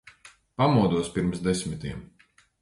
Pamodos pirms desmitiem.